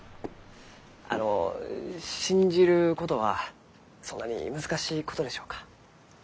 あの信じることはそんなに難しいことでしょうか？